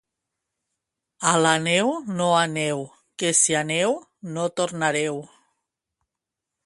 A la neu no aneu, que si aneu, no tornareu.